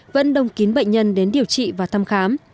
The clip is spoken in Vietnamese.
vẫn đông kín bệnh nhân đến điều trị và thăm khám